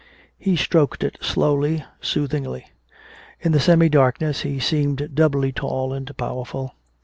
He stroked it slowly, soothingly. In the semi darkness he seemed doubly tall and powerful.